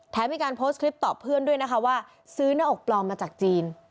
มีการโพสต์คลิปตอบเพื่อนด้วยนะคะว่าซื้อหน้าอกปลอมมาจากจีน